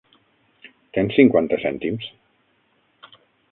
Tens cinquanta cèntims?